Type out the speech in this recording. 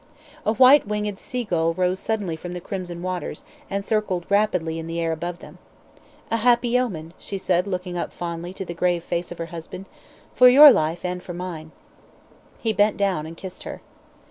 A white winged sea gull rose suddenly from the crimson waters, and circled rapidly in the air above them. "A happy omen," she said, looking up fondly to the grave face of her husband, "for your life and for mine." He bent down and kissed her.